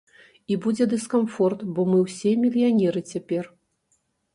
І будзе дыскамфорт, бо мы ўсе мільянеры цяпер.